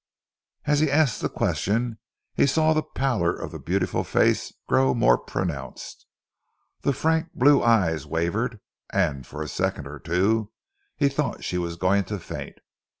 As he asked that question he saw the pallor of the beautiful face grow more pronounced. The frank blue eyes wavered, and for a second or two he thought she was going to faint.